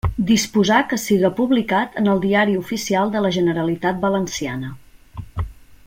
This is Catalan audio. Disposar que siga publicat en el Diari Oficial de la Generalitat Valenciana.